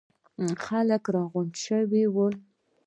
خلک راغونډ شوي ول.